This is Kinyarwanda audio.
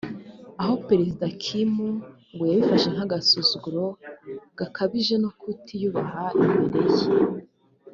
aho perezida Kim ngo yabifashe nk’agasuzuguro gakabije no kutiyubaha imbere ye [perezida]